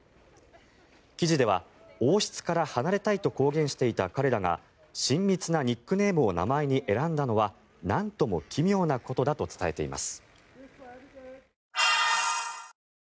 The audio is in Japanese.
記事では王室から離れたいと公言していた彼らが親密なニックネームを名前に選んだのはなんとも奇妙なことだと伝えています。